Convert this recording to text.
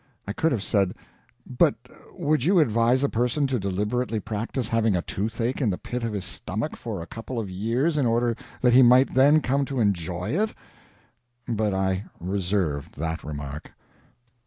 I COULD have said, "But would you advise a person to deliberately practice having a toothache in the pit of his stomach for a couple of years in order that he might then come to enjoy it?" But I reserved that remark.